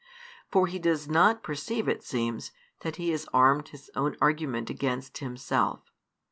For he does not perceive, it seems, that he has armed his own argument against himself.